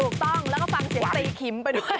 ถูกต้องแล้วก็ฟังเสียงตีขิมไปด้วย